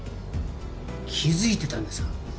気付いてたんですか？